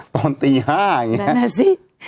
ตอนตี๕อย่างนี้